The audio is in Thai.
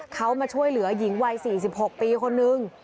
เขามาช่วยเหลือหญิงวัย๔๖ปีคนนึง